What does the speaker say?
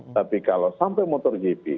tapi kalau sampai motor gp